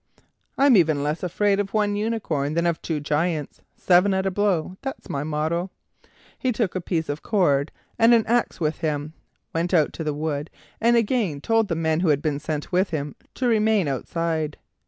"I'm even less afraid of one unicorn than of two Giants; seven at a blow, that's my motto." He took a piece of cord and an axe with him, went out to the wood, and again told the men who had been sent with him to remain outside.